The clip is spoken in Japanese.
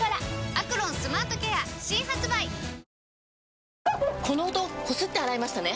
「アクロンスマートケア」新発売！この音こすって洗いましたね？